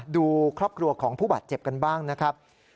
ดูครอบครัวของผู้บาดเจ็บกันบ้างนะครับ